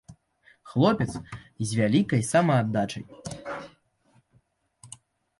Хлопец з вялікай самааддачай.